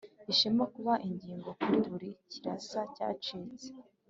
ishema kuba ingo kuri buri kirasa cyacitse,